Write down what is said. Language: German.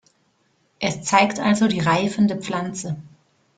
Es zeigt also die reifende Pflanze.